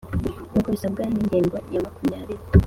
Nkuko bisabwa n ingingo ya makumyabiri